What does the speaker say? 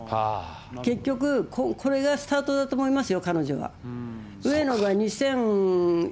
結局、これがスタートだと思いますよ。